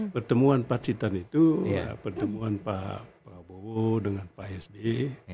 pertemuan pacitan itu pertemuan pak prabowo dengan pak sby